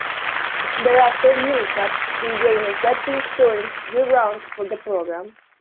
Thereafter Millsaps began accepting students year-round for the program.